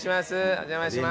お邪魔します。